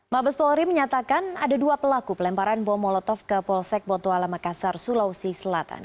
mabes polri menyatakan ada dua pelaku pelemparan bom molotov ke polsek botuala makassar sulawesi selatan